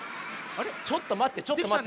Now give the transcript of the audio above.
ちょっとまってちょっとまって。